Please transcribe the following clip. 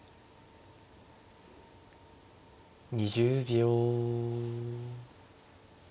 ２０秒。